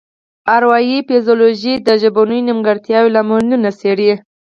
اروايي فزیولوژي د ژبنیو نیمګړتیاوو لاملونه څیړي